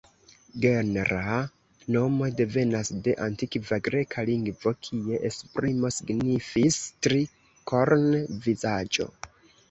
Genra nomo devenas de antikva greka lingvo kie esprimo signifis „tri-korn-vizaĝo”.